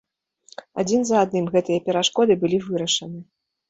Адзін за адным гэтыя перашкоды былі вырашаны.